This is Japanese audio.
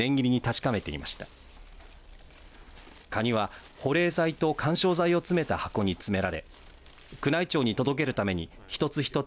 かには保冷剤と緩衝材を詰めた箱に詰められ宮内庁に届けるために一つ一つ